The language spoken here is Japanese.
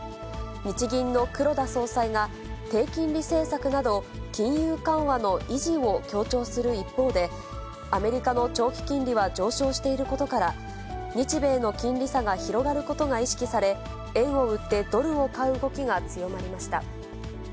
日銀の黒田総裁が低金利政策など金融緩和の維持を強調する一方で、アメリカの長期金利は上昇していることから、日米の金利差が広がることが意識され、円を売ってドルを買う動きが強まりました。